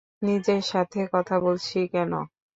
নিজের সাথে কথা বলছি কেন?